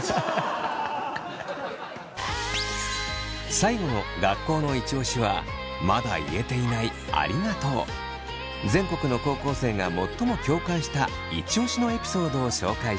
最後の学校のイチオシは全国の高校生が最も共感したイチオシのエピソードを紹介します。